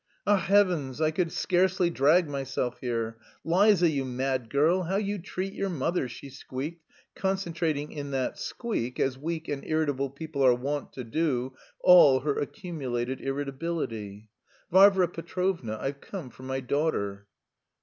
"Ach, heavens, I could scarcely drag myself here. Liza, you mad girl, how you treat your mother!" she squeaked, concentrating in that squeak, as weak and irritable people are wont to do, all her accumulated irritability. "Varvara Petrovna, I've come for my daughter!"